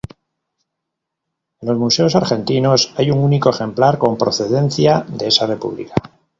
En los museos argentinos hay un único ejemplar con procedencia de esa república.